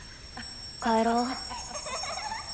帰ろう。